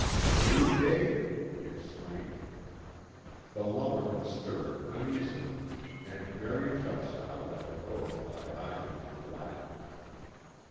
"You, Dave?" he exclaimed. The lumberman stirred uneasily, and Mary Chepstow let her work lie idle in her lap.